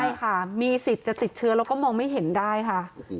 ใช่ค่ะมีสิทธิ์จะติดเชื้อแล้วก็มองไม่เห็นได้ค่ะ